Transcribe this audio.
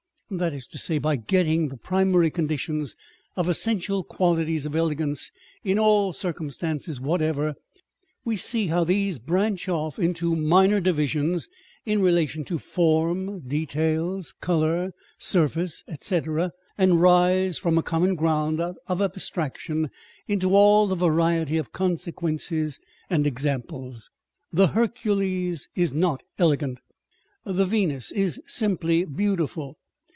That is to say, by getting the primary conditions or essential qualities of elegance in all circumstances whatever, we see how these branch off into minor divisions in relation to form, details, colour, surface, &c., and rise from a common ground of abstraction into all the variety of consequences and examples. The Hercules is not elegant ; the Venus is simply beautiful.